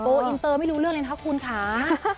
อินเตอร์ไม่รู้เรื่องเลยนะคะคุณค่ะ